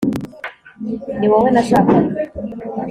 Niwowe nashakaga